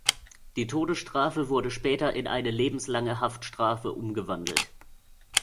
Die Todesstrafe wurde später in eine lebenslange Haftstrafe umgewandelt.